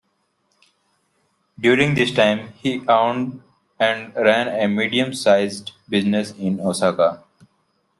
During this time he owned and ran a medium-sized business in Osaka.